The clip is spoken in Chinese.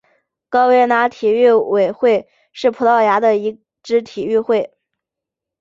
高维拿体育会是葡萄牙的一支体育会。